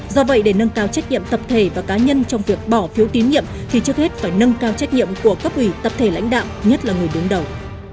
do vậy để nâng cao trách nhiệm tập thể và cá nhân trong việc bỏ phiếu tín nhiệm thì trước hết phải nâng cao trách nhiệm của cấp ủy tập thể lãnh đạo nhất là người đứng đầu